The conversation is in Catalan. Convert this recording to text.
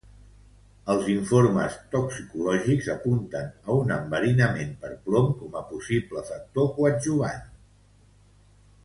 Els informes toxicològics apunten a un enverinament per plom com a possible factor coadjuvant.